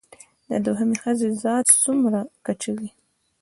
د دوهمې ښځې ذات څومره کچه وي